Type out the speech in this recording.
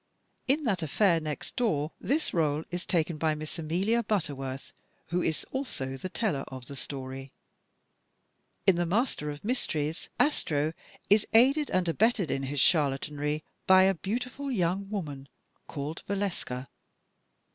In "That Affair Next Door" this r61e is taken by Miss Amelia Butterworth, who is also the teller of the story. In "The Master of Mysteries," Astro is aided and abetted in his charlatanry by a beautiful young woman called Valeska.